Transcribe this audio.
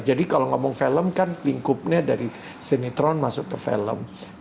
jadi kalau ngomong film kan lingkupnya dari sinetron masuk ke film